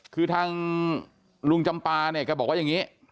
คือทางลุงจำปาเนี่ยแกบอกว่าอย่างนี้